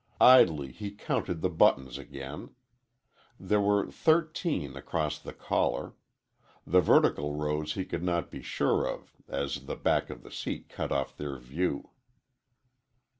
Idly he counted the buttons again. There were thirteen across the collar. The vertical rows he could not be sure of as the back of the seat cut off their view.